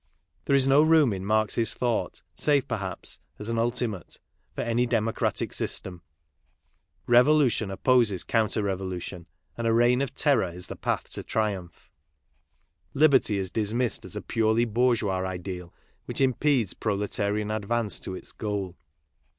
Th ^ere is no room in Marx's_thouglit, save perhaps asj an ultimate, tor any d em ocratic system] Revoliltion opposes counter revolution, and a reign of terror is the' path to triumph. Liberty is dismissed as a purely! bourgeois ideal, which impedes proletarian advance to! its goal.